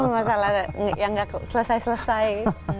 masalah yang nggak selesai selesai